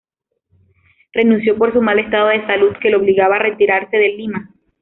Renunció por su mal estado de salud, que lo obligaba a retirarse de Lima.